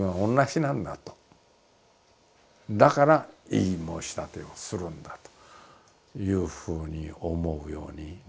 だから異議申し立てをするんだというふうに思うようになってきたらね